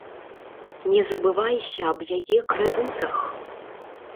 Не забывайся аб яе крэдытах!